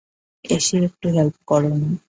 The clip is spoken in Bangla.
এসে একটু হেল্প করো না!